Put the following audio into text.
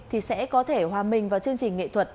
thì sẽ có thể hòa mình vào chương trình nghệ thuật